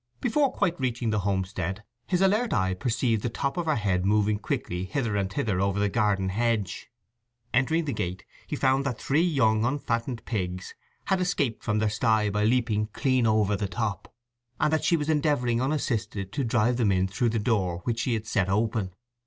Before quite reaching the homestead his alert eye perceived the top of her head moving quickly hither and thither over the garden hedge. Entering the gate he found that three young unfattened pigs had escaped from their sty by leaping clean over the top, and that she was endeavouring unassisted to drive them in through the door which she had set open.